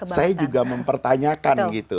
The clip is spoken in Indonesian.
saya juga mempertanyakan